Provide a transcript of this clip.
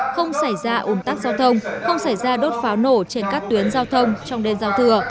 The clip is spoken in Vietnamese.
không xảy ra ủn tắc giao thông không xảy ra đốt pháo nổ trên các tuyến giao thông trong đêm giao thừa